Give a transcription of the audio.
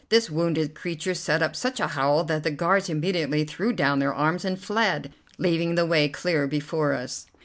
This wounded creature set up such a howl that the guards immediately threw down their arms and fled, leaving the way clear before us.